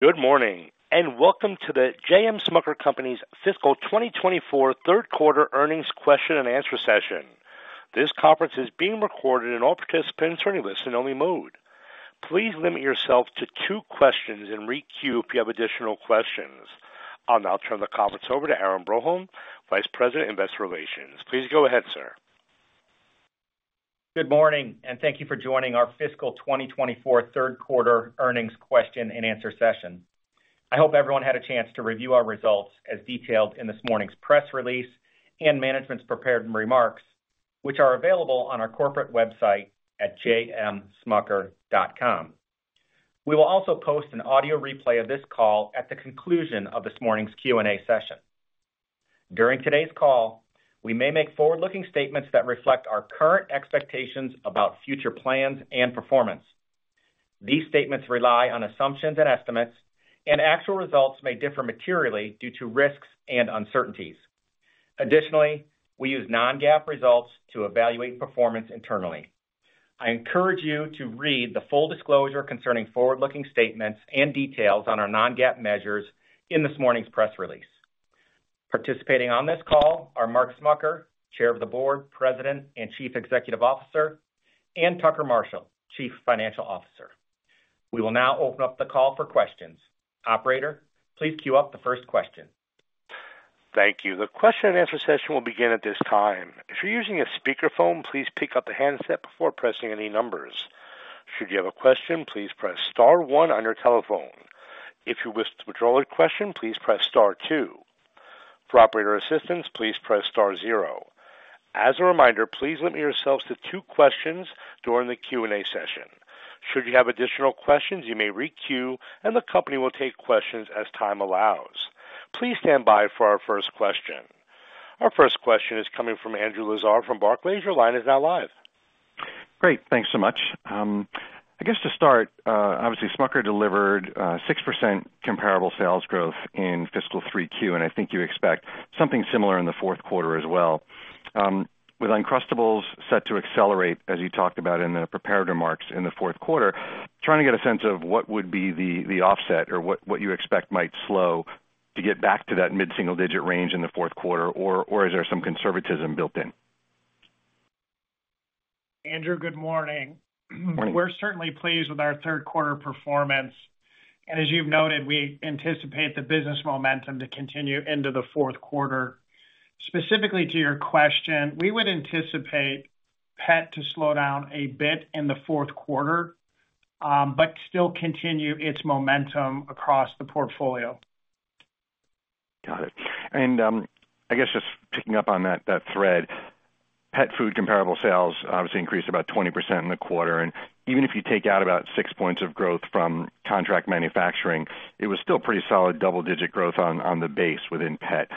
Good morning, and welcome to The J.M. Smucker Company's fiscal 2024 third quarter earnings question-and-answer session. This conference is being recorded, and all participants are in listen-only mode. Please limit yourself to two questions and re-queue if you have additional questions. I'll now turn the conference over to Aaron Broholm, Vice President, Investor Relations. Please go ahead, sir. Good morning, and thank you for joining our fiscal 2024 third quarter earnings question-and-answer session. I hope everyone had a chance to review our results as detailed in this morning's press release and management's prepared remarks, which are available on our corporate website at jmsmucker.com. We will also Post an audio replay of this call at the conclusion of this morning's Q&A session. During today's call, we may make forward-looking statements that reflect our current expectations about future plans and performance. These statements rely on assumptions and estimates, and actual results may differ materially due to risks and uncertainties. Additionally, we use non-GAAP results to evaluate performance internally. I encourage you to read the full disclosure concerning forward-looking statements and details on our non-GAAP measures in this morning's press release. Participating on this call are Mark Smucker, Chair of the Board, President, and Chief Executive Officer, and Tucker Marshall, Chief Financial Officer. We will now open up the call for questions. Operator, please queue up the first question. Thank you. The question-and-answer session will begin at this time. If you're using a speakerphone, please pick up the handset before pressing any numbers. Should you have a question, please press star one on your telephone. If you wish to withdraw a question, please press star two. For operator assistance, please press star zero. As a reminder, please limit yourselves to two questions during the Q&A session. Should you have additional questions, you may re-queue, and the company will take questions as time allows. Please stand by for our first question. Our first question is coming from Andrew Lazar from Barclays. Your line is now live. Great. Thanks so much. I guess to start, obviously Smucker delivered 6% comparable sales growth in fiscal 3Q, and I think you expect something similar in the fourth quarter as well. With Uncrustables set to accelerate, as you talked about in the prepared remarks in the fourth quarter, trying to get a sense of what would be the offset or what you expect might slow to get back to that mid-single-digit range in the fourth quarter, or is there some conservatism built in? Andrew, good morning. Morning. We're certainly pleased with our third quarter performance, and as you've noted, we anticipate the business momentum to continue into the fourth quarter. Specifically to your question, we would anticipate pet to slow down a bit in the fourth quarter, but still continue its momentum across the portfolio. Got it. And, I guess just picking up on that thread, pet food comparable sales obviously increased about 20% in the quarter, and even if you take out about six points of growth from contract manufacturing, it was still pretty solid double-digit growth on the base within pet.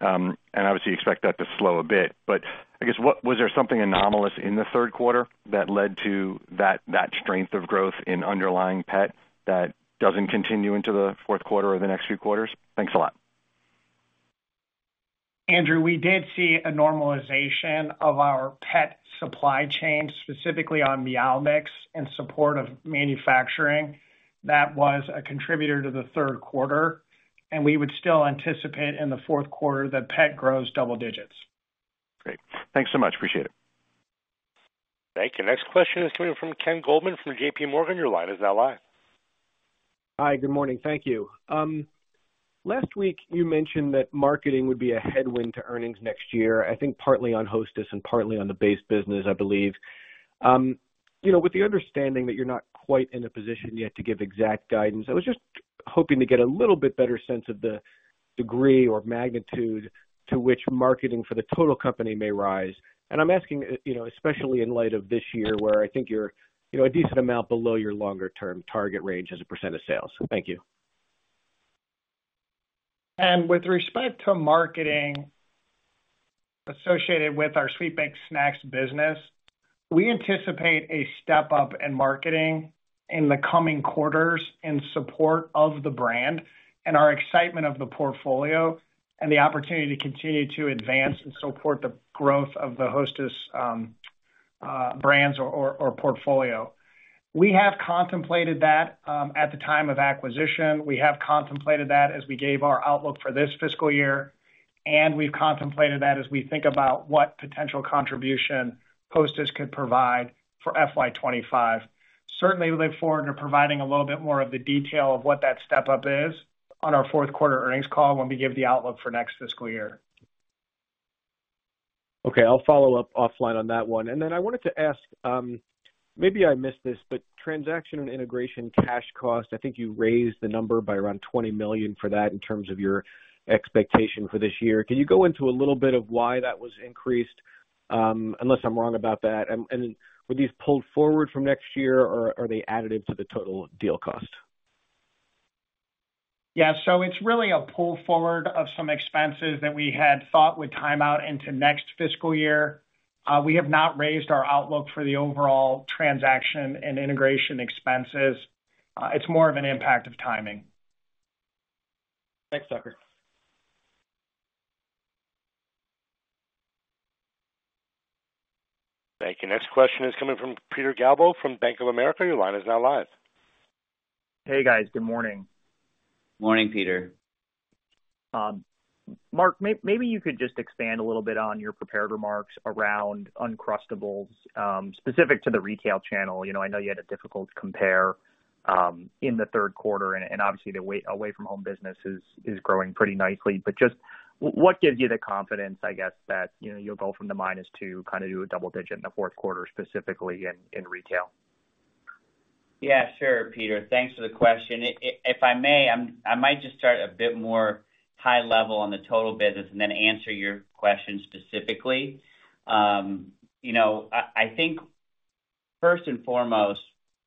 And obviously, you expect that to slow a bit, but I guess, what was there something anomalous in the third quarter that led to that strength of growth in underlying pet that doesn't continue into the fourth quarter or the next few quarters? Thanks a lot. Andrew, we did see a normalization of our pet supply chain, specifically on Meow Mix, in support of manufacturing. That was a contributor to the third quarter, and we would still anticipate in the fourth quarter that pet grows double digits. Great. Thanks so much. Appreciate it. Thank you. Next question is coming from Ken Goldman from JPMorgan. Your line is now live. Hi, good morning. Thank you. Last week, you mentioned that marketing would be a headwind to earnings next year, I think partly on Hostess and partly on the base business, I believe. You know, with the understanding that you're not quite in a position yet to give exact guidance, I was just hoping to get a little bit better sense of the degree or magnitude to which marketing for the total company may rise. And I'm asking, you know, especially in light of this year, where I think you're, you know, a decent amount below your longer-term target range as a percent of sales. Thank you. With respect to marketing associated with our Sweet Baked Snacks business, we anticipate a step up in marketing in the coming quarters in support of the brand and our excitement of the portfolio and the opportunity to continue to advance and support the growth of the Hostess brands or portfolio. We have contemplated that at the time of acquisition. We have contemplated that as we gave our outlook for this fiscal year, and we've contemplated that as we think about what potential contribution Hostess could provide for FY 2025. Certainly look forward to providing a little bit more of the detail of what that step up is on our fourth quarter earnings call when we give the outlook for next fiscal year. Okay. I'll follow up offline on that one. And then I wanted to ask, maybe I missed this, but transaction and integration cash costs, I think you raised the number by around $20 million for that in terms of your expectation for this year. Can you go into a little bit of why that was increased, unless I'm wrong about that? And, and were these pulled forward from next year, or are they additive to the total deal cost? Yeah, so it's really a pull forward of some expenses that we had thought would time out into next fiscal year. We have not raised our outlook for the overall transaction and integration expenses. It's more of an impact of timing. Thanks, Tucker. Thank you. Next question is coming from Peter Galbo from Bank of America. Your line is now live. Hey, guys. Good morning. Morning, Peter. Mark, maybe you could just expand a little bit on your prepared remarks around Uncrustables, specific to the retail channel. You know, I know you had a difficult compare in the third quarter, and obviously, away from home business is growing pretty nicely. But just what gives you the confidence, I guess, that, you know, you'll go from the -2, kinda do a double digit in the fourth quarter, specifically in retail? Yeah, sure, Peter. Thanks for the question. If I may, I might just start a bit more high level on the total business and then answer your question specifically. You know, I think first and foremost,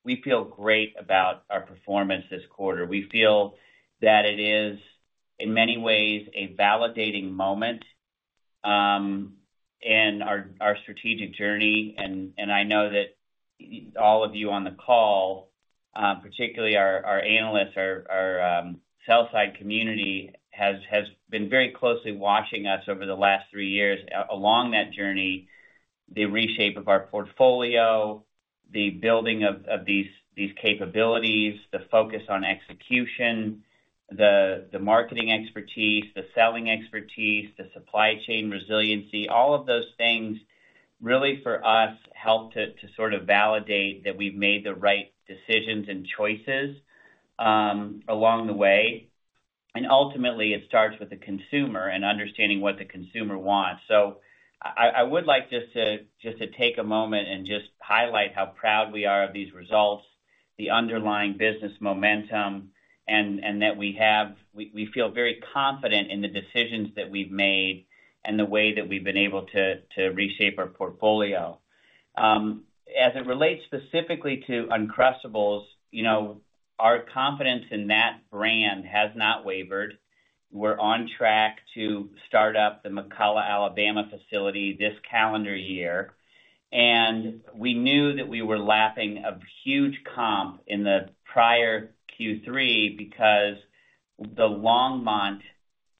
we feel great about our performance this quarter. We feel that it is, in many ways, a validating moment in our strategic journey. And I know that you, all of you on the call, particularly our sell side community, has been very closely watching us over the last three years. Along that journey, the reshape of our portfolio, the building of these capabilities, the focus on execution, the marketing expertise, the selling expertise, the supply chain resiliency, all of those things really, for us, help to sort of validate that we've made the right decisions and choices along the way. Ultimately, it starts with the consumer and understanding what the consumer wants. So I would like just to take a moment and just highlight how proud we are of these results, the underlying business momentum, and that we feel very confident in the decisions that we've made and the way that we've been able to reshape our portfolio. As it relates specifically to Uncrustables, you know, our confidence in that brand has not wavered. We're on track to start up the McCalla, Alabama facility this calendar year, and we knew that we were lapping a huge comp in the prior Q3 because the Longmont,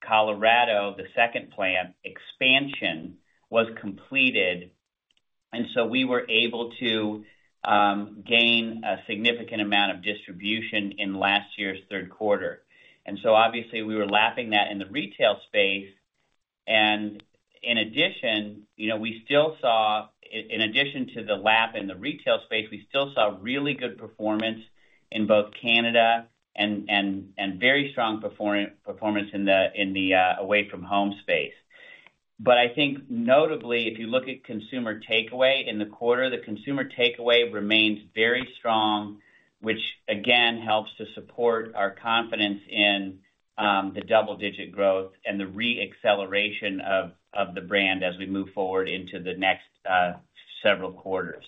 Colorado, the second plant expansion, was completed, and so we were able to gain a significant amount of distribution in last year's third quarter. So obviously, we were lapping that in the retail space. In addition, you know, we still saw, in addition to the lap in the retail space, we still saw really good performance in both Canada and very strong performance in the Away From Home space. I think notably, if you look at consumer takeaway in the quarter, the consumer takeaway remains very strong, which again, helps to support our confidence in the double digit growth and the re-acceleration of the brand as we move forward into the next several quarters.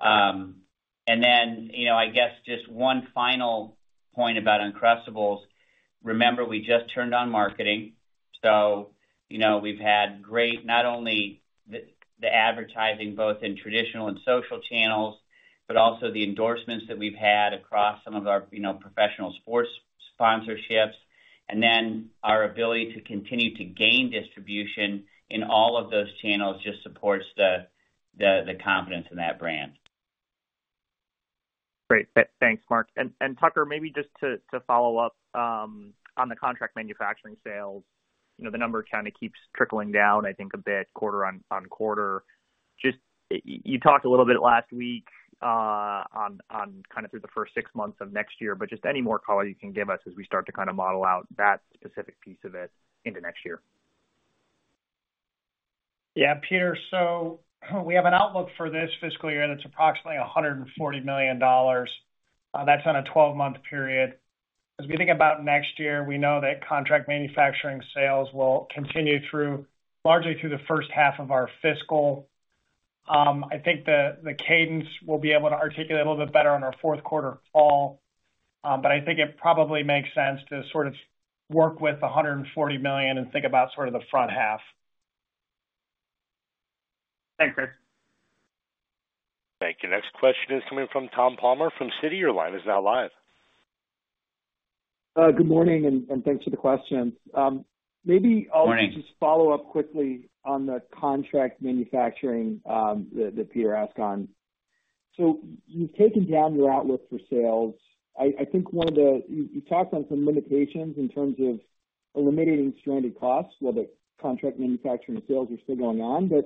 And then, you know, I guess just one final point about Uncrustables, remember, we just turned on marketing, so, you know, we've had great, not only the advertising, both in traditional and social channels, but also the endorsements that we've had across some of our, you know, professional sports sponsorships, and then our ability to continue to gain distribution in all of those channels just supports the confidence in that brand. Great. Thanks, Mark. And Tucker, maybe just to follow up on the contract manufacturing sales, you know, the number kinda keeps trickling down, I think, a bit, quarter on quarter. Just you talked a little bit last week on kind of through the first six months of next year, but just any more color you can give us as we start to kinda model out that specific piece of it into next year? Yeah, Peter, so we have an outlook for this fiscal year, and it's approximately $140 million. That's on a 12-month period. As we think about next year, we know that contract manufacturing sales will continue through, largely through the first half of our fiscal. I think the cadence we'll be able to articulate a little bit better on our fourth quarter call, but I think it probably makes sense to sort of work with $140 million and think about sort of the front half. Thanks, Tucker. Thank you. Next question is coming from Tom Palmer from Citi. Your line is now live. Good morning, and thanks for the questions. Maybe I'll just follow up quickly on the contract manufacturing, that Peter asked on. So you've taken down your outlook for sales. I think one of the, you talked on some limitations in terms of eliminating stranded costs, while the contract manufacturing sales are still going on, but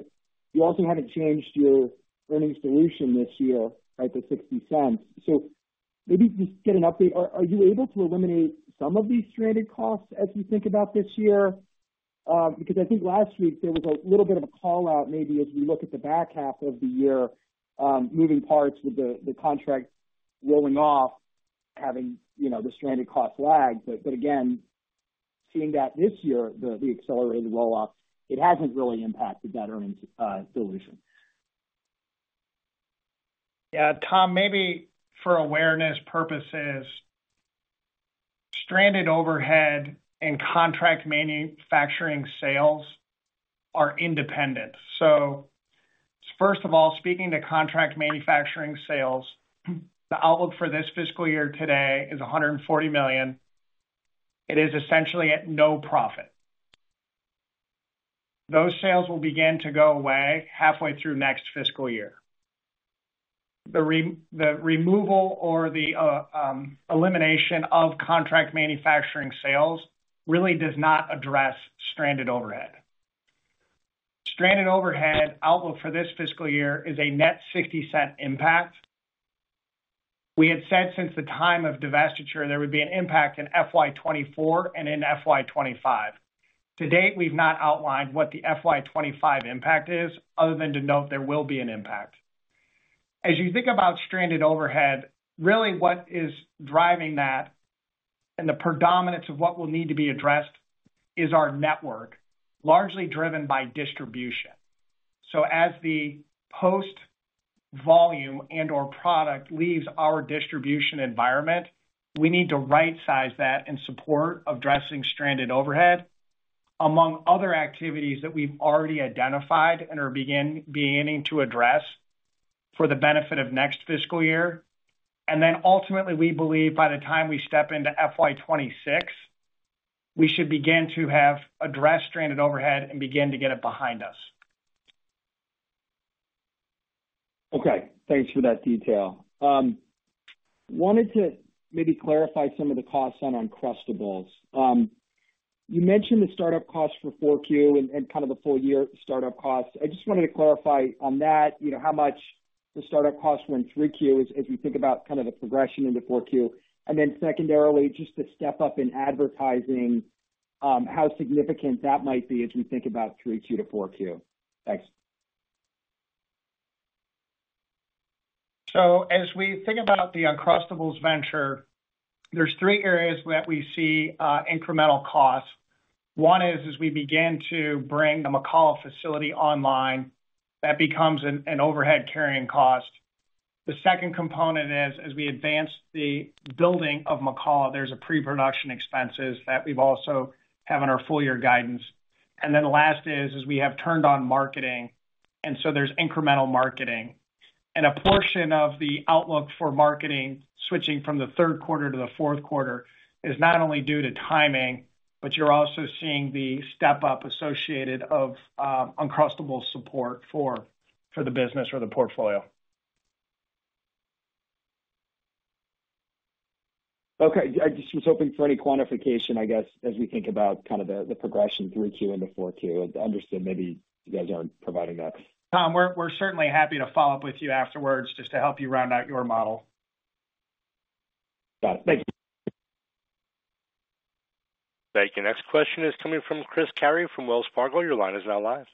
you also haven't changed your earnings dilution this year at the $0.60. So maybe just get an update. Are you able to eliminate some of these stranded costs as you think about this year? Because I think last week there was a little bit of a call-out, maybe as we look at the back half of the year, moving parts with the contract rolling off, having, you know, the stranded cost lag. But again, seeing that this year, the accelerated roll-off, it hasn't really impacted that earnings dilution. Yeah, Tom, maybe for awareness purposes, stranded overhead and contract manufacturing sales are independent. So first of all, speaking to contract manufacturing sales, the outlook for this fiscal year today is $140 million. It is essentially at no profit. Those sales will begin to go away halfway through next fiscal year. The removal or the elimination of contract manufacturing sales really does not address stranded overhead. Stranded overhead outlook for this fiscal year is a net $0.60 impact. We had said since the time of divestiture, there would be an impact in FY 2024 and in FY 2025. To date, we've not outlined what the FY 2025 impact is, other than to note there will be an impact. As you think about Stranded Overhead, really what is driving that, and the predominance of what will need to be addressed, is our network, largely driven by distribution. So as the post volume and/or product leaves our distribution environment, we need to rightsize that in support of addressing Stranded Overhead, among other activities that we've already identified and are beginning to address for the benefit of next fiscal year. And then ultimately, we believe by the time we step into FY 2026, we should begin to have addressed Stranded Overhead and begin to get it behind us. Okay, thanks for that detail. Wanted to maybe clarify some of the costs on Uncrustables. You mentioned the startup costs for 4Q and kind of the full year startup costs. I just wanted to clarify on that, you know, how much the startup costs were in 3Q, as we think about kind of the progression into 4Q. And then secondarily, just the step up in advertising, how significant that might be as we think about 3Q to 4Q? Thanks. So as we think about the Uncrustables venture, there's three areas that we see incremental costs. One is, as we begin to bring the McCalla facility online, that becomes an overhead carrying cost. The second component is, as we advance the building of McCalla, there's a pre-production expenses that we've also have in our full year guidance. And then the last is, as we have turned on marketing, and so there's incremental marketing. And a portion of the outlook for marketing, switching from the third quarter to the fourth quarter, is not only due to timing, but you're also seeing the step up associated of Uncrustables support for the business or the portfolio. Okay. I just was hoping for any quantification, I guess, as we think about kind of the, the progression 3Q into 4Q. I understand maybe you guys aren't providing that. Tom, we're certainly happy to follow up with you afterwards just to help you round out your model. Got it. Thank you. Thank you. Next question is coming from Chris Carey, from Wells Fargo. Your line is now live.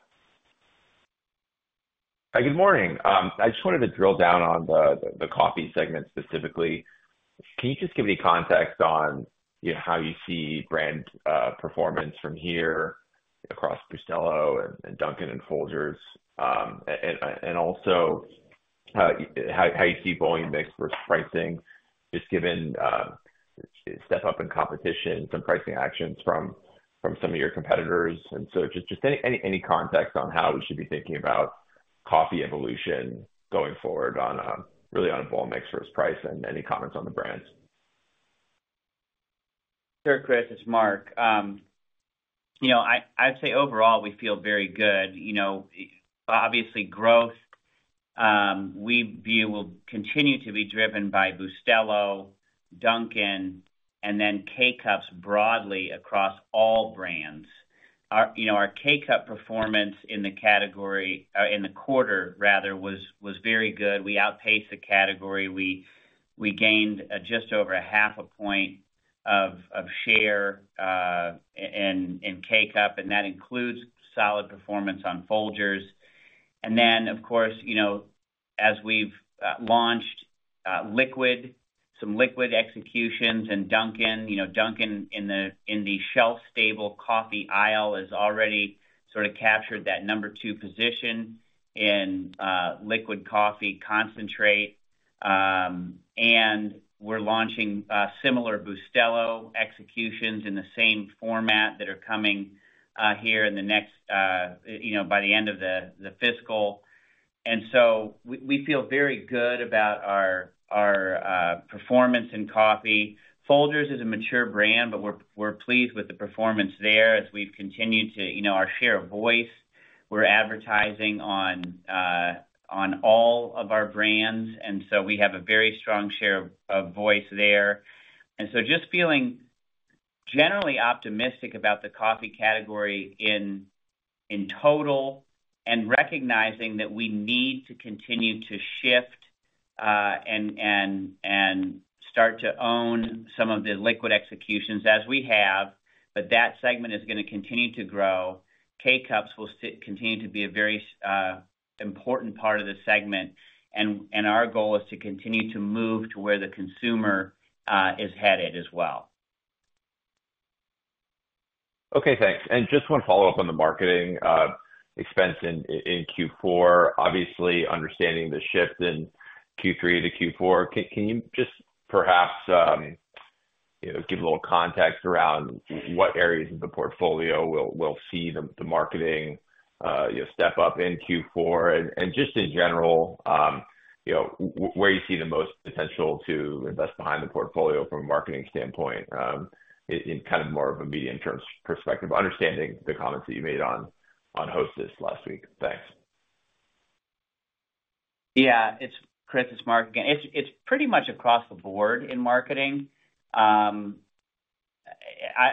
Hi, good morning. I just wanted to drill down on the coffee segment specifically. Can you just give me context on, you know, how you see brand performance from here across Bustelo and Dunkin' and Folgers? And also, how you see volume mix versus pricing, just given step up in competition, some pricing actions from some of your competitors. And so just any context on how we should be thinking about coffee evolution going forward on really on a volume mix versus price and any comments on the brands? Sure, Chris, it's Mark. You know, I, I'd say overall, we feel very good. You know, obviously, growth, we view will continue to be driven by Bustelo, Dunkin', and then K-Cups broadly across all brands. Our, you know, our K-Cup performance in the category, in the quarter rather, was very good. We outpaced the category. We gained just over a half a point of share in K-Cup, and that includes solid performance on Folgers. And then, of course, you know, as we've launched some liquid executions in Dunkin', you know, Dunkin' in the shelf stable coffee aisle, has already sort of captured that number 2 position in liquid coffee concentrate. And we're launching similar Bustelo executions in the same format that are coming here in the next, you know, by the end of the fiscal. And so we feel very good about our performance in coffee. Folgers is a mature brand, but we're pleased with the performance there as we've continued to, you know, our share of voice, we're advertising on all of our brands, and so we have a very strong share of voice there. And so just feeling generally optimistic about the coffee category in total, and recognizing that we need to continue to shift and start to own some of the liquid executions as we have, but that segment is gonna continue to grow. K-Cups will continue to be a very important part of the segment, and our goal is to continue to move to where the consumer is headed as well. Okay, thanks. Just one follow-up on the marketing expense in Q4. Obviously, understanding the shift in Q3 to Q4, can you just perhaps you know, give a little context around what areas of the portfolio will see the marketing, you know, step up in Q4. And just in general, you know, where you see the most potential to invest behind the portfolio from a marketing standpoint, in kind of more of a medium-term perspective, understanding the comments that you made on Hostess last week. Thanks. Yeah, it's Chris, it's Mark again. It's pretty much across the board in marketing. I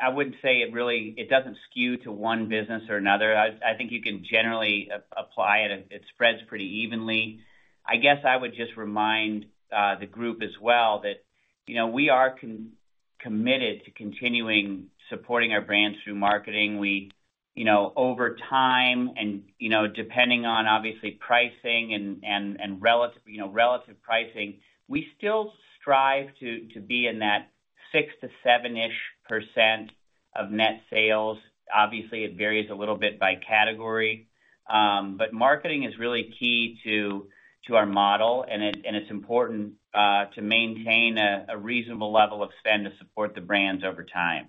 wouldn't say it really. It doesn't skew to one business or another. I think you can generally apply it, and it spreads pretty evenly. I guess I would just remind the group as well that, you know, we are committed to continuing supporting our brands through marketing. We, you know, over time and, you know, depending on obviously pricing and relative, you know, relative pricing, we still strive to be in that 6%-7%-ish of net sales. Obviously, it varies a little bit by category. But marketing is really key to our model, and it's important to maintain a reasonable level of spend to support the brands over time.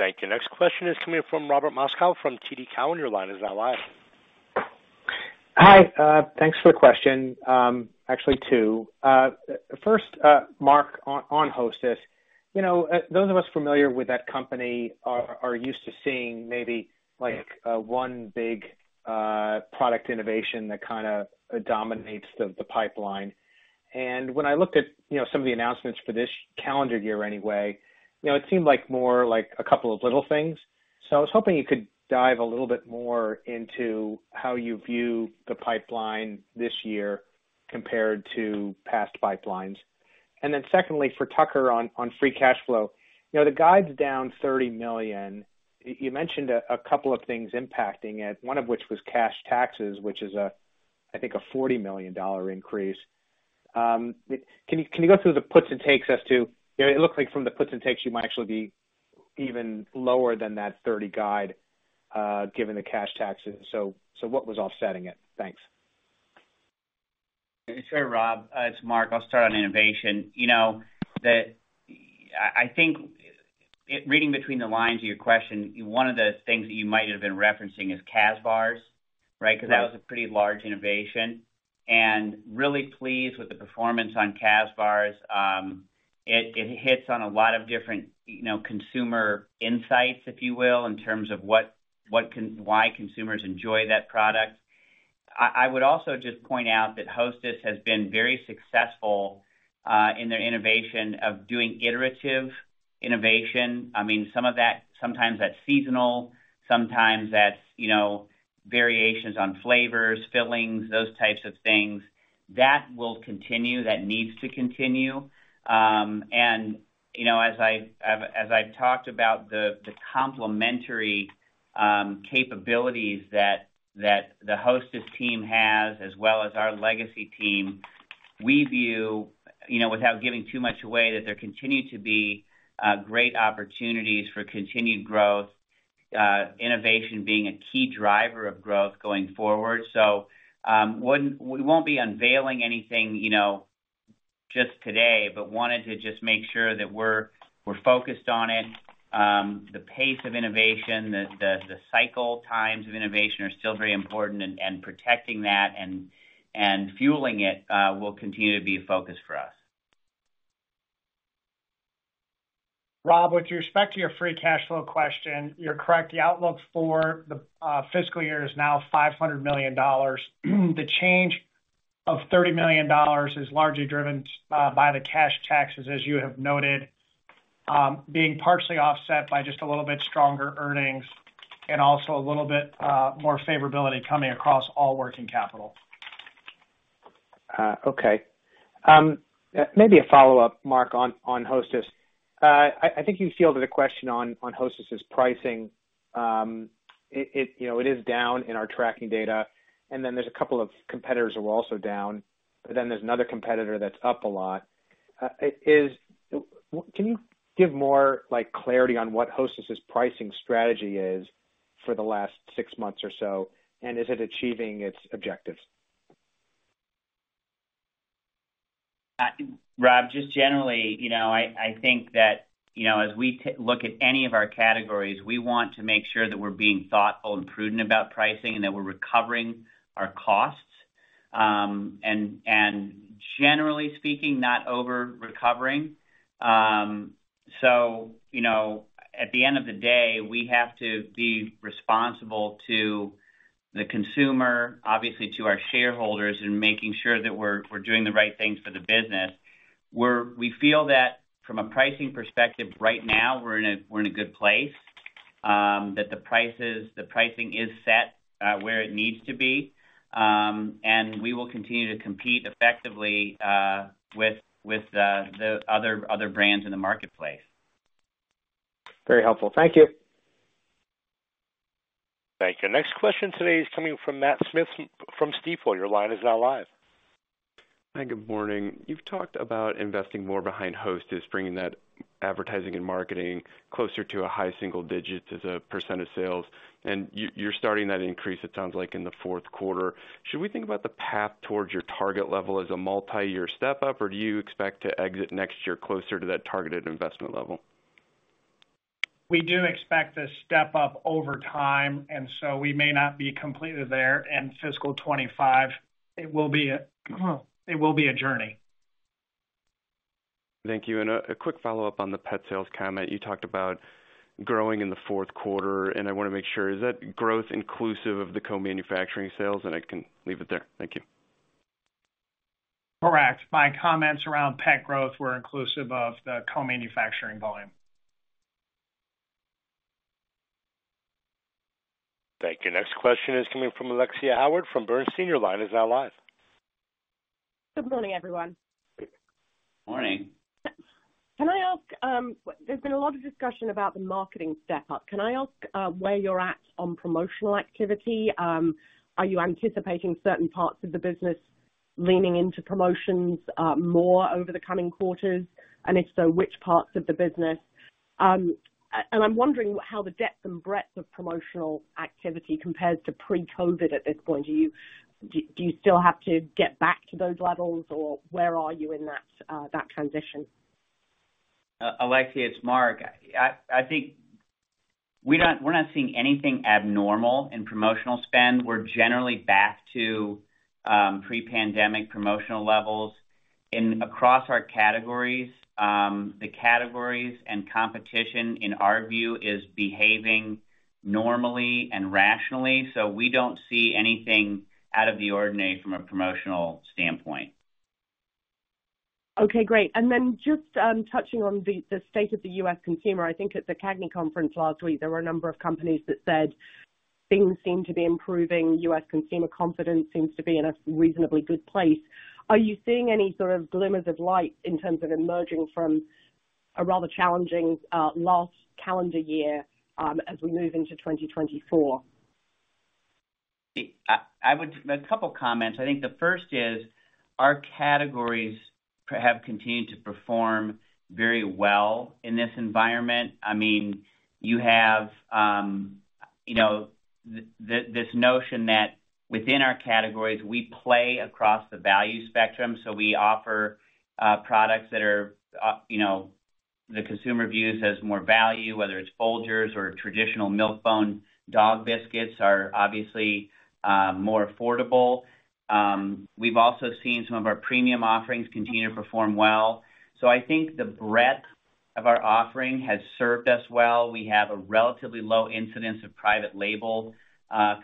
Thank you. Next question is coming from Robert Moskow from TD Cowen. Your line is now live. Hi, thanks for the question. Actually two. First, Mark, on Hostess. You know, those of us familiar with that company are used to seeing maybe like one big product innovation that kinda dominates the pipeline. And when I looked at, you know, some of the announcements for this calendar year anyway, you know, it seemed like more like a couple of little things. So I was hoping you could dive a little bit more into how you view the pipeline this year compared to past pipelines. And then secondly, for Tucker, on free cash flow. You know, the guide's down $30 million. You mentioned a couple of things impacting it, one of which was cash taxes, which is, I think, a $40 million increase. Can you go through the puts and takes as to, you know, it looked like from the puts and takes, you might actually be even lower than that 30 guide, given the cash taxes. So what was offsetting it? Thanks. Sure, Rob. It's Mark. I'll start on innovation. You know, I think, reading between the lines of your question, one of the things that you might have been referencing is Kazbars, right? Because that was a pretty large innovation. And really pleased with the performance on Kazbars. It hits on a lot of different, you know, consumer insights, if you will, in terms of why consumers enjoy that product. I would also just point out that Hostess has been very successful in their innovation of doing iterative innovation. I mean, some of that, sometimes that's seasonal, sometimes that's, you know, variations on flavors, fillings, those types of things. That will continue, that needs to continue. And, you know, as I've talked about the complementary capabilities that the Hostess team has as well as our legacy team, we view, you know, without giving too much away, that there continue to be great opportunities for continued growth, innovation being a key driver of growth going forward. So, we won't be unveiling anything, you know, just today, but wanted to just make sure that we're focused on it. The pace of innovation, the cycle times of innovation are still very important, and protecting that and fueling it will continue to be a focus for us. Rob, with respect to your free cash flow question, you're correct. The outlook for the fiscal year is now $500 million. The change of $30 million is largely driven by the cash taxes, as you have noted, being partially offset by just a little bit stronger earnings and also a little bit more favorability coming across all working capital. Okay. Maybe a follow-up, Mark, on Hostess. I think you fielded a question on Hostess's pricing. You know, it is down in our tracking data, and then there's a couple of competitors who are also down, but then there's another competitor that's up a lot. Can you give more, like, clarity on what Hostess's pricing strategy is for the last six months or so, and is it achieving its objectives? Rob, just generally, you know, I think that, you know, as we look at any of our categories, we want to make sure that we're being thoughtful and prudent about pricing and that we're recovering our costs, and generally speaking, not over-recovering. So, you know, at the end of the day, we have to be responsible to the consumer, obviously to our shareholders, in making sure that we're doing the right things for the business. We feel that from a pricing perspective, right now, we're in a good place, that the prices, the pricing is set where it needs to be. And we will continue to compete effectively, with the other brands in the marketplace. Very helpful. Thank you. Thank you. Next question today is coming from Matt Smith from Stifel. Your line is now live. Hi, good morning. You've talked about investing more behind Hostess, bringing that advertising and marketing closer to a high single digits percent of sales, and you're starting that increase, it sounds like, in the fourth quarter. Should we think about the path towards your target level as a multi-year step-up, or do you expect to exit next year closer to that targeted investment level? We do expect to step up over time, and so we may not be completely there in fiscal 2025. It will be a journey. Thank you. And a quick follow-up on the pet sales comment. You talked about growing in the fourth quarter, and I wanna make sure, is that growth inclusive of the co-manufacturing sales? And I can leave it there. Thank you. Correct. My comments around pet growth were inclusive of the co-manufacturing volume. Thank you. Next question is coming from Alexia Howard from Bernstein. Your line is now live. Good morning, everyone. Morning. Can I ask, there's been a lot of discussion about the marketing step up. Can I ask, where you're at on promotional activity? Are you anticipating certain parts of the business leaning into promotions more over the coming quarters? And if so, which parts of the business? And I'm wondering how the depth and breadth of promotional activity compares to pre-COVID at this point. Do you still have to get back to those levels, or where are you in that transition? Alexia, it's Mark. I think we're not seeing anything abnormal in promotional spend. We're generally back to pre-pandemic promotional levels. In across our categories, the categories and competition, in our view, is behaving normally and rationally, so we don't see anything out of the ordinary from a promotional standpoint. Okay, great. And then just touching on the state of the U.S. consumer. I think at the CAGNY conference last week, there were a number of companies that said things seem to be improving. U.S. consumer confidence seems to be in a reasonably good place. Are you seeing any sort of glimmers of light in terms of emerging from a rather challenging last calendar year as we move into 2024? A couple of comments. I think the first is, our categories have continued to perform very well in this environment. I mean, you know, this notion that within our categories, we play across the value spectrum, so we offer products that are, you know, the consumer views as more value, whether it's Folgers or traditional Milk-Bone dog biscuits are obviously more affordable. We've also seen some of our premium offerings continue to perform well. So I think the breadth of our offering has served us well. We have a relatively low incidence of private label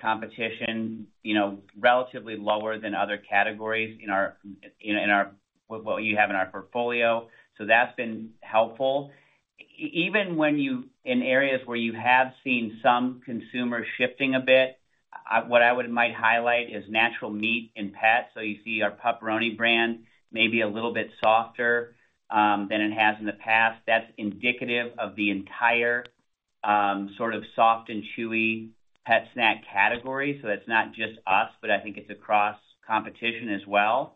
competition, you know, relatively lower than other categories in our portfolio. So that's been helpful. Even when you in areas where you have seen some consumer shifting a bit, what I would might highlight is natural meat in pets. So you see our Pupperoni brand may be a little bit softer than it has in the past. That's indicative of the entire sort of soft and chewy pet snack category. So it's not just us, but I think it's across competition as well.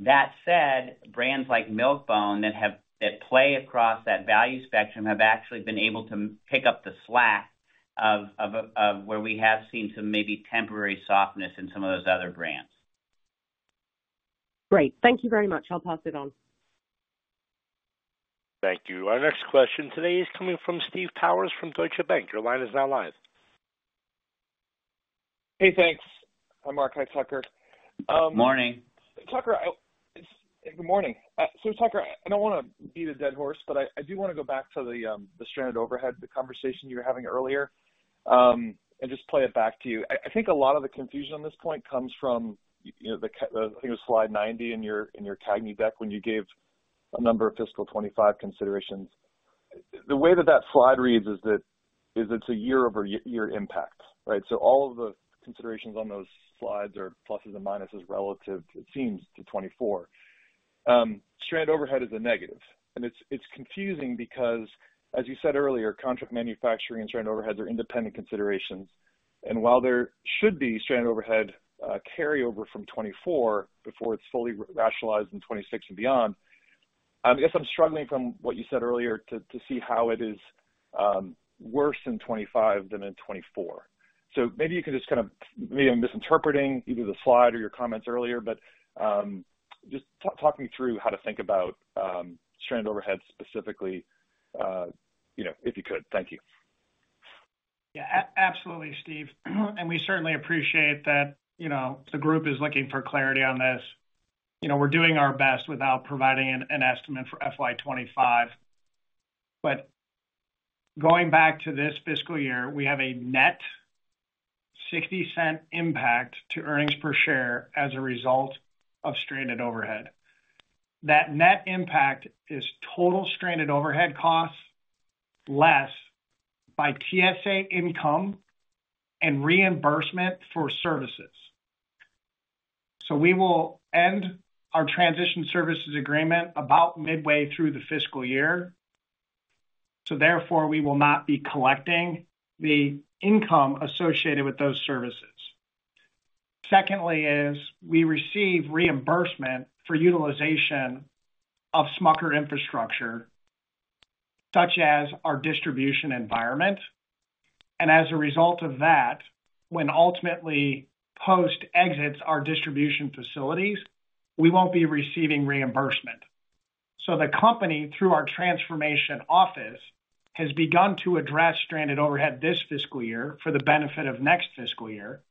That said, brands like Milk-Bone that play across that value spectrum have actually been able to pick up the slack of where we have seen some maybe temporary softness in some of those other brands. Great. Thank you very much. I'll pass it on. Thank you. Our next question today is coming from Steve Powers from Deutsche Bank. Your line is now live. Hey, thanks. Hi, Mark. Hi, Tucker. Morning. Tucker, Good morning. So Tucker, I don't wanna beat a dead horse, but I do wanna go back to the stranded overhead, the conversation you were having earlier, and just play it back to you. I think a lot of the confusion on this point comes from, you know, I think it was slide 90 in your CAGNY deck when you gave a number of fiscal 2025 considerations. The way that that slide reads is that it's a year-over-year impact, right? So all of the considerations on those slides are pluses and minuses relative, it seems, to 2024. Stranded overhead is a negative, and it's confusing because, as you said earlier, contract manufacturing and stranded overhead are independent considerations. And while there should be stranded overhead, carry over from 2024 before it's fully rationalized in 2026 and beyond, I guess I'm struggling from what you said earlier to see how it is worse in 2025 than in 2024. So maybe you can just kind of maybe I'm misinterpreting either the slide or your comments earlier, but just talk me through how to think about stranded overhead, specifically, you know, if you could. Thank you. Yeah, absolutely, Steve, and we certainly appreciate that, you know, the group is looking for clarity on this. You know, we're doing our best without providing an estimate for FY 2025. But going back to this fiscal year, we have a net $0.60 impact to earnings per share as a result of stranded overhead. That net impact is total stranded overhead costs, less by TSA income and reimbursement for services. So we will end our transition services agreement about midway through the fiscal year, so therefore, we will not be collecting the income associated with those services. Secondly is, we receive reimbursement for utilization of Smucker infrastructure, such as our distribution environment. And as a result of that, when ultimately Post exits our distribution facilities, we won't be receiving reimbursement. So the company, through our transformation office, has begun to address stranded overhead this fiscal year for the benefit of next fiscal year.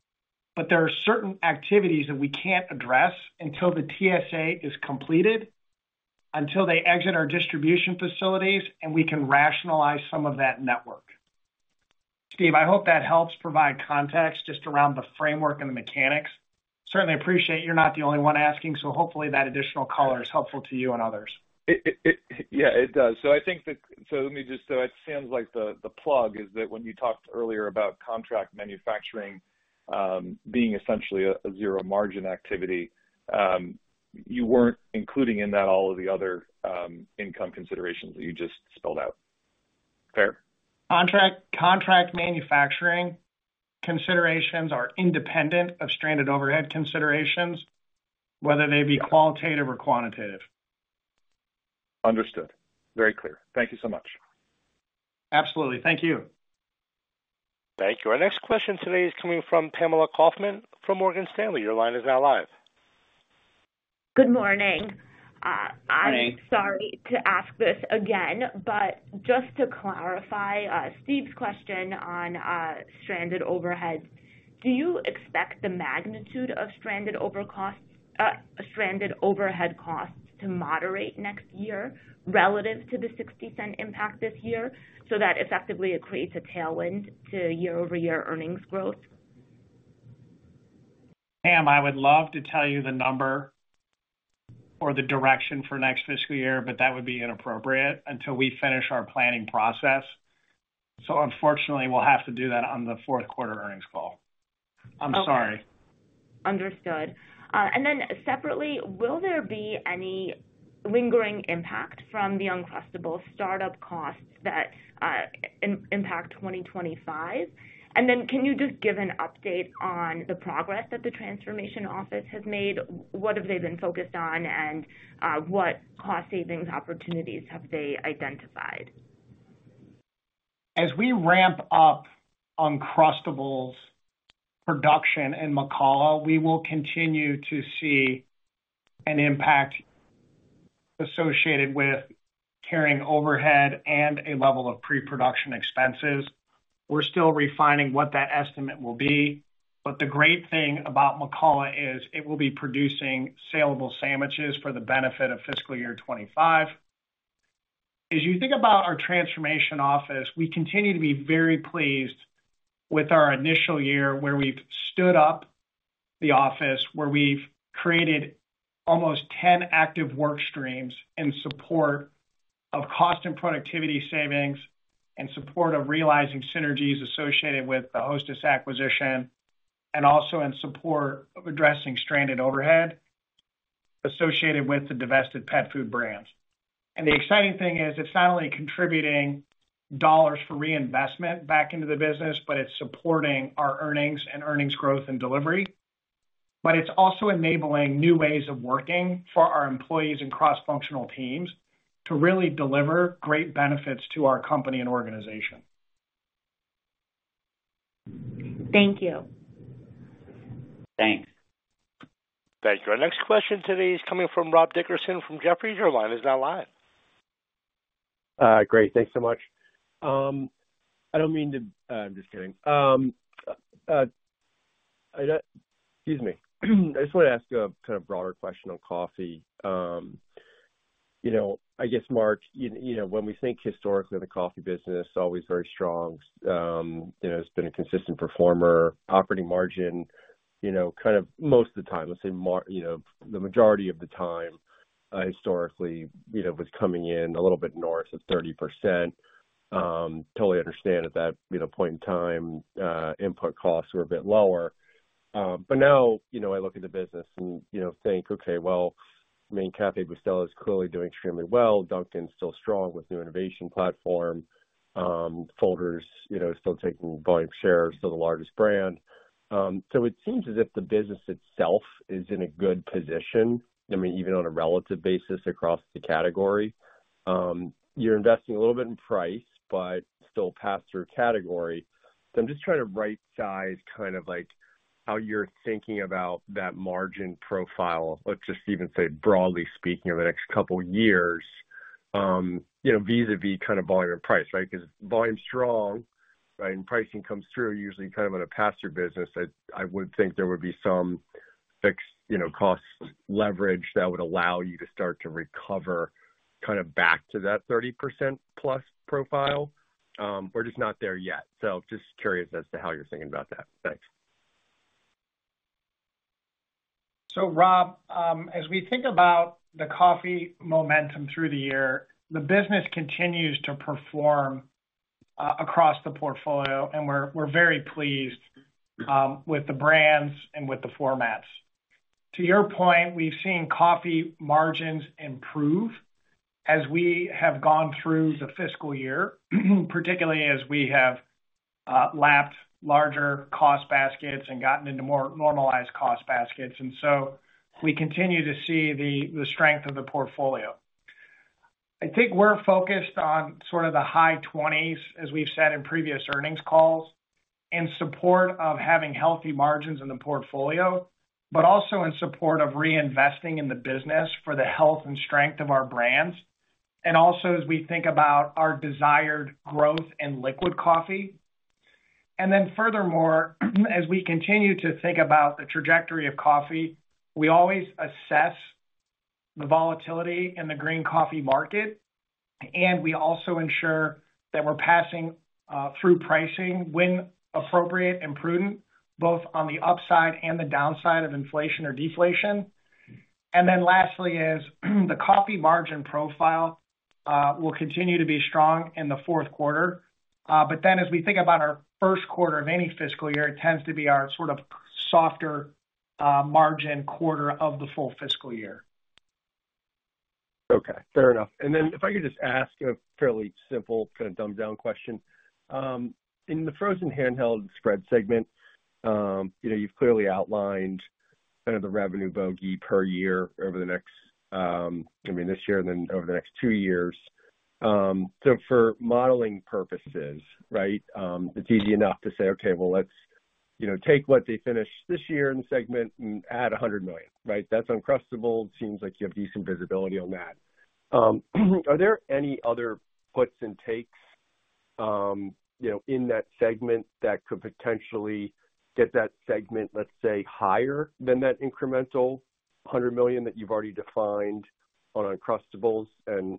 But there are certain activities that we can't address until the TSA is completed, until they exit our distribution facilities, and we can rationalize some of that network. Steve, I hope that helps provide context just around the framework and the mechanics. Certainly appreciate you're not the only one asking, so hopefully that additional color is helpful to you and others. Yeah, it does. So I think that it sounds like the plug is that when you talked earlier about contract manufacturing being essentially a zero margin activity, you weren't including in that all of the other income considerations that you just spelled out. Fair? Contract manufacturing considerations are independent of stranded overhead considerations, whether they be qualitative or quantitative. Understood. Very clear. Thank you so much. Absolutely. Thank you. Thank you. Our next question today is coming from Pamela Kaufman from Morgan Stanley. Your line is now live. Good morning. Morning. I'm sorry to ask this again, but just to clarify, Steve's question on stranded overheads, do you expect the magnitude of stranded overhead costs to moderate next year relative to the $0.60 impact this year, so that effectively it creates a tailwind to year-over-year earnings growth? Pam, I would love to tell you the number or the direction for next fiscal year, but that would be inappropriate until we finish our planning process. So unfortunately, we'll have to do that on the fourth quarter earnings call. I'm sorry. Understood. And then separately, will there be any lingering impact from the Uncrustables startup costs that impact 2025? And then, can you just give an update on the progress that the transformation office has made? What have they been focused on, and what cost savings opportunities have they identified? As we ramp up Uncrustables production in McCalla, we will continue to see an impact associated with carrying overhead and a level of pre-production expenses. We're still refining what that estimate will be, but the great thing about McCalla is it will be producing saleable sandwiches for the benefit of fiscal year 2025. As you think about our transformation office, we continue to be very pleased with our initial year, where we've stood up the office, where we've created almost 10 active work streams in support of cost and productivity savings, in support of realizing synergies associated with the Hostess acquisition, and also in support of addressing stranded overhead associated with the divested pet food brands. The exciting thing is, it's not only contributing dollars for reinvestment back into the business, but it's supporting our earnings and earnings growth and delivery, but it's also enabling new ways of working for our employees and cross-functional teams to really deliver great benefits to our company and organization. Thank you. Thanks. Thank you. Our next question today is coming from Rob Dickerson from Jefferies. Your line is now live. Great. Thanks so much. Excuse me. I just want to ask you a kind of broader question on coffee. You know, I guess, Mark, you know, when we think historically of the coffee business, always very strong. You know, it's been a consistent performer. Operating margin, you know, kind of most of the time, let's say you know, the majority of the time, historically, you know, was coming in a little bit north of 30%. Totally understand at that, you know, point in time, input costs were a bit lower. But now, you know, I look at the business and, you know, think, okay, well, I mean, Café Bustelo is clearly doing extremely well. Dunkin' is still strong with new innovation platform. Folgers, you know, still taking volume share, still the largest brand. So it seems as if the business itself is in a good position, I mean, even on a relative basis across the category. You're investing a little bit in price, but still pass-through category. So I'm just trying to rightsize, kind of like, how you're thinking about that margin profile. Let's just even say, broadly speaking, over the next couple years, you know, vis-a-vis kind of volume and price, right? Because volume's strong, right, and pricing comes through usually kind of in a pass-through business. I would think there would be some fixed, you know, cost leverage that would allow you to start to recover kind of back to that 30%+ profile, or just not there yet. So just curious as to how you're thinking about that. Thanks. So, Rob, as we think about the coffee momentum through the year, the business continues to perform across the portfolio, and we're very pleased with the brands and with the formats. To your point, we've seen coffee margins improve as we have gone through the fiscal year, particularly as we have lapped larger cost baskets and gotten into more normalized cost baskets. And so we continue to see the strength of the portfolio. I think we're focused on sort of the high 20s, as we've said in previous earnings calls, in support of having healthy margins in the portfolio, but also in support of reinvesting in the business for the health and strength of our brands, and also as we think about our desired growth in liquid coffee. And then furthermore, as we continue to think about the trajectory of coffee, we always assess the volatility in the green coffee market, and we also ensure that we're passing through pricing when appropriate and prudent, both on the upside and the downside of inflation or deflation. And then lastly is, the coffee margin profile will continue to be strong in the fourth quarter. But then as we think about our first quarter of any fiscal year, it tends to be our sort of softer margin quarter of the full fiscal year. Okay, fair enough. And then if I could just ask a fairly simple, kind of dumbed down question. In the frozen handheld spread segment, you know, you've clearly outlined kind of the revenue bogey per year over the next, I mean, this year and then over the next two years. So for modeling purposes, right, it's easy enough to say, okay, well, let's, you know, take what they finish this year in the segment and add $100 million, right? That's Uncrustables. Seems like you have decent visibility on that. Are there any other puts and takes, you know, in that segment that could potentially get that segment, let's say, higher than that incremental $100 million that you've already defined on Uncrustables? You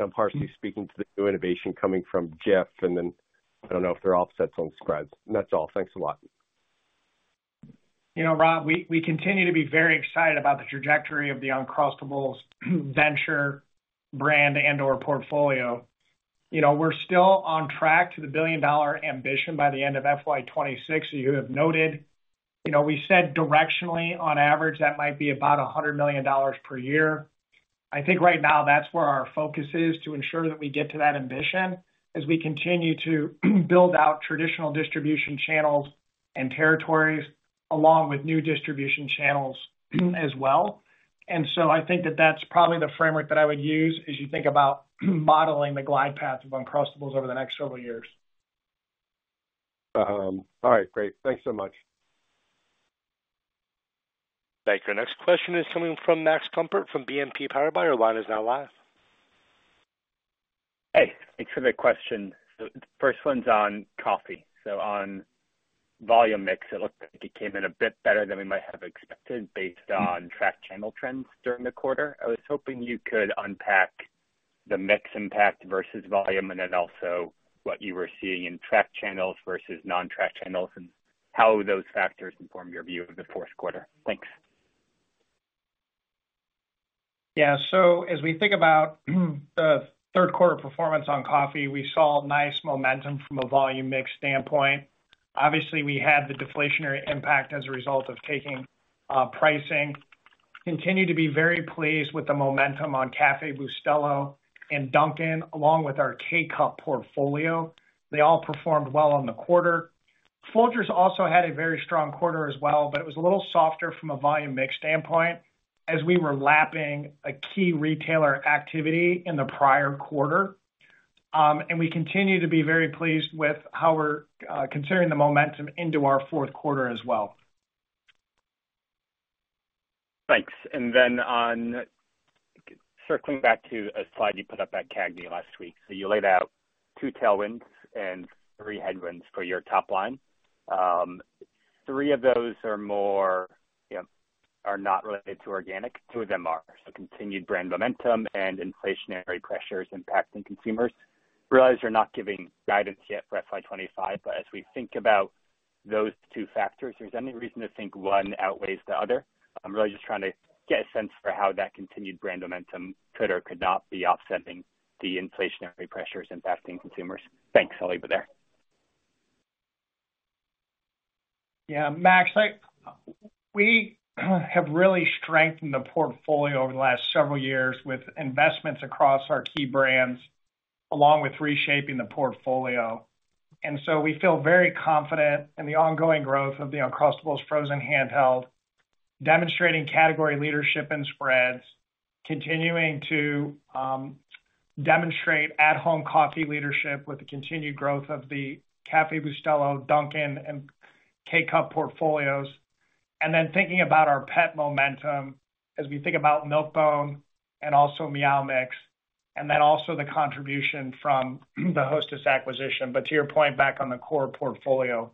know, I'm partially speaking to the new innovation coming from Jif, and then I don't know if there are offsets on spreads. That's all. Thanks a lot. You know, Rob, we continue to be very excited about the trajectory of the Uncrustables venture brand and/or portfolio. You know, we're still on track to the billion-dollar ambition by the end of FY 2026. As you have noted, you know, we said directionally, on average, that might be about $100 million per year. I think right now that's where our focus is, to ensure that we get to that ambition as we continue to build out traditional distribution channels and territories, along with new distribution channels as well. And so I think that that's probably the framework that I would use as you think about modeling the glide path of Uncrustables over the next several years. All right, great. Thanks so much. Thank you. Our next question is coming from Max Gumport from BNP Paribas. Your line is now live. Hey, thanks for the question. So the first one's on coffee. So on volume mix, it looked like it came in a bit better than we might have expected based on track channel trends during the quarter. I was hoping you could unpack the mix impact versus volume, and then also what you were seeing in track channels versus non-track channels, and how those factors inform your view of the fourth quarter. Thanks. Yeah. So as we think about the third quarter performance on coffee, we saw nice momentum from a volume mix standpoint. Obviously, we had the deflationary impact as a result of taking pricing. Continue to be very pleased with the momentum on Café Bustelo and Dunkin', along with our K-Cup portfolio. They all performed well on the quarter. Folgers also had a very strong quarter as well, but it was a little softer from a volume mix standpoint as we were lapping a key retailer activity in the prior quarter. We continue to be very pleased with how we're continuing the momentum into our fourth quarter as well. Thanks. And then, on circling back to a slide you put up at CAGNY last week, so you laid out two tailwinds and three headwinds for your top line. Three of those are more, you know, are not related to organic. Two of them are, so continued brand momentum and inflationary pressures impacting consumers. Realize you're not giving guidance yet for FY 2025, but as we think about those two factors, is there any reason to think one outweighs the other? I'm really just trying to get a sense for how that continued brand momentum could or could not be offsetting the inflationary pressures impacting consumers. Thanks. I'll leave it there. Yeah, Max, we have really strengthened the portfolio over the last several years with investments across our key brands, along with reshaping the portfolio. And so we feel very confident in the ongoing growth of the Uncrustables frozen handheld, demonstrating category leadership in spreads, continuing to demonstrate at-home coffee leadership with the continued growth of the Café Bustelo, Dunkin', and K-Cup portfolios, and then thinking about our pet momentum as we think about Milk-Bone and also Meow Mix, and then also the contribution from the Hostess acquisition. But to your point, back on the core portfolio.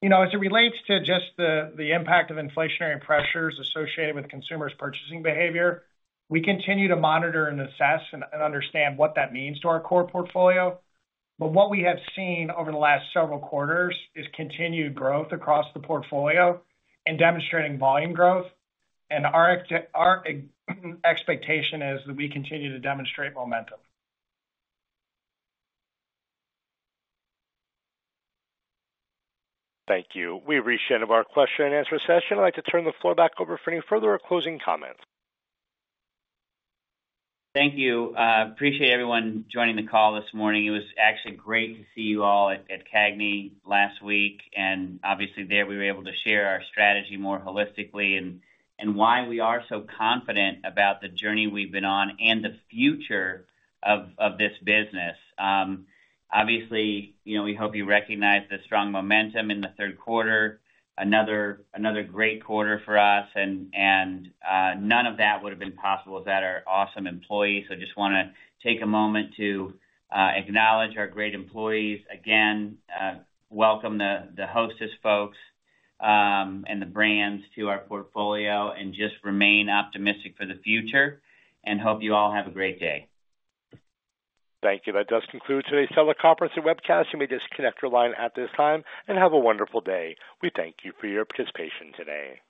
You know, as it relates to just the, the impact of inflationary pressures associated with consumers' purchasing behavior, we continue to monitor and assess and understand what that means to our core portfolio. But what we have seen over the last several quarters is continued growth across the portfolio and demonstrating volume growth, and our expectation is that we continue to demonstrate momentum. Thank you. We've reached the end of our question-and-answer session. I'd like to turn the floor back over for any further closing comments. Thank you. Appreciate everyone joining the call this morning. It was actually great to see you all at CAGNY last week, and obviously there, we were able to share our strategy more holistically and why we are so confident about the journey we've been on and the future of this business. Obviously, you know, we hope you recognize the strong momentum in the third quarter, another great quarter for us, and none of that would have been possible without our awesome employees. So I just wanna take a moment to acknowledge our great employees. Again, welcome the Hostess folks and the brands to our portfolio, and just remain optimistic for the future, and hope you all have a great day. Thank you. That does conclude today's teleconference and webcast. You may disconnect your line at this time, and have a wonderful day. We thank you for your participation today.